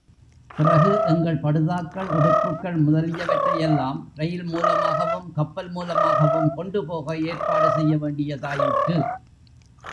பிறகு எங்கள் படுதாக்கள், உடுப்புகள் முதலியவற்றையெல்லாம், ரெயில் மூலமாகவும், கப்பல் மூலமாகவும் கொண்டு போக ஏற்பாடு செய்ய வேண்டியதாயிற்று.